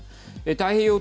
太平洋